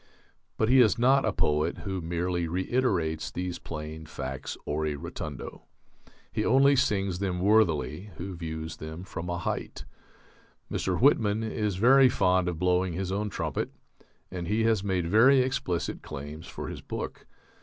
But he is not a poet who merely reiterates these plain facts ore rotundo. He only sings them worthily who views them from a height.... Mr. Whitman is very fond of blowing his own trumpet, and he has made very explicit claims for his book....